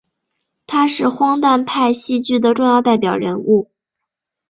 他是荒诞派戏剧的重要代表人物。